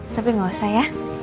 tapi gak usah ya